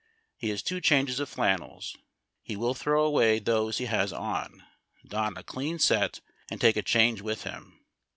He has two changes of flannels. He will throw away those he has on, don a clean set and take a change with him.